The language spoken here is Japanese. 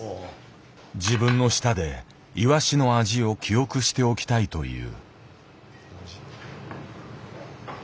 自分の舌でイワシの味を記憶しておきたいという。